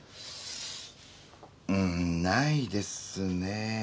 うーんないですね。